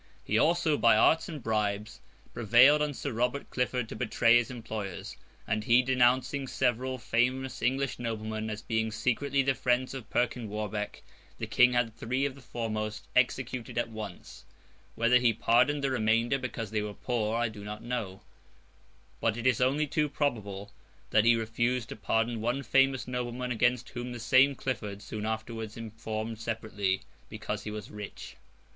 He also, by arts and bribes, prevailed on Sir Robert Clifford to betray his employers; and he denouncing several famous English noblemen as being secretly the friends of Perkin Warbeck, the King had three of the foremost executed at once. Whether he pardoned the remainder because they were poor, I do not know; but it is only too probable that he refused to pardon one famous nobleman against whom the same Clifford soon afterwards informed separately, because he was rich.